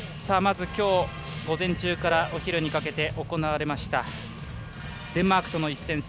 きょう午前中からお昼にかけて行われましたデンマークとの一戦。